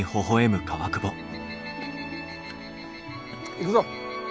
行くぞ。